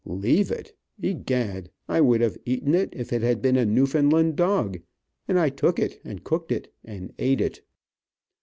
Leave it? Egad, I would have eaten it if it had been a Newfoundland dog, and I took it, and cooked it, and ate it.